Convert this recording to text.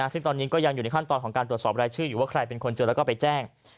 ซึ่งตอนนี้ก็ยังอยู่ในขั้นตอนของการตรวจสอบรายชื่ออยู่ว่าใครเป็นคนเจอแล้วก็ไปแจ้ง